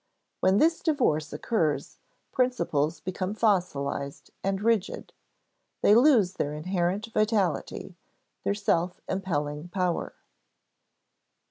When this divorce occurs, principles become fossilized and rigid; they lose their inherent vitality, their self impelling power.